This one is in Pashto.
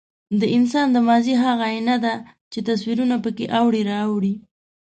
د انسان د ماضي هغه ایینه ده، چې تصویرونه پکې اوړي را اوړي.